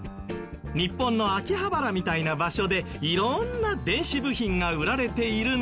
日本の秋葉原みたいな場所で色んな電子部品が売られているんですが。